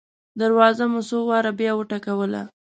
دروازه مو څو واره بیا وټکوله.